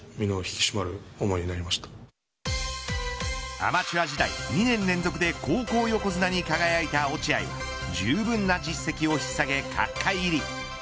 アマチュア時代２年連続で高校横綱に輝いた落合じゅうぶんな実績を引っさげ角界入り。